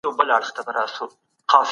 که اثر معلوم نه وي څېړنه بې مانا ده.